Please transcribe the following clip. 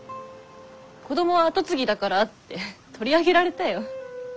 子供は跡継ぎだからって取り上げられたよ。